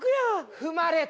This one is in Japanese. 踏まれた。